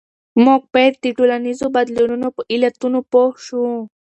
موږ باید د ټولنیزو بدلونونو په علتونو پوه شو.